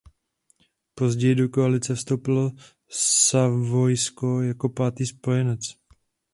Později do koalice vstoupilo Savojsko jako pátý spojenec.